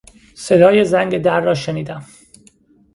صدای زنگ در را شنیدم.